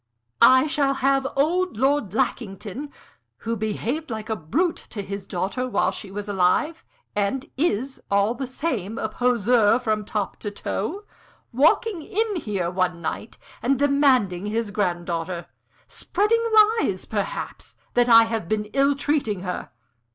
I shall have old Lord Lackington who behaved like a brute to his daughter while she was alive, and is, all the same, a poseur from top to toe walking in here one night and demanding his granddaughter spreading lies, perhaps, that I have been ill treating her.